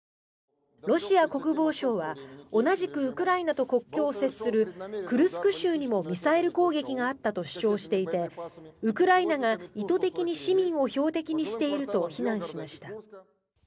ロシア国防省は同じくウクライナと国境を接するクルスク州にもミサイル攻撃があったと主張していてウクライナが意図的に市民を標的にしていると非難しました。